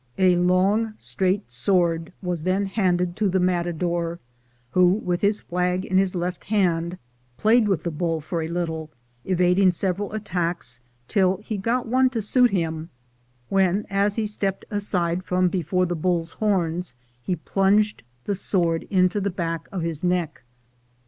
A long straight sword was then handed to the matador, who, with his flag in his left hand, plaj^ed with the bull for a little, evading several attacks till he got one to suit him, when, as he stepped aside BULL FIGHTING 321 from before the bull's horns, he plunged the sword into the back of his neck.